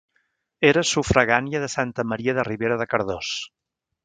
Era sufragània de Santa Maria de Ribera de Cardós.